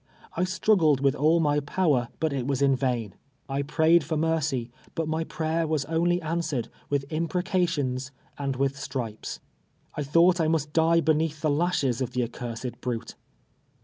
I struggled with all my power, but it was in vain. I prayed for mercy, Init my prayer was only answered with imprecations and with stripes. I thought I mnst die beneath the lashes of the accursed brute.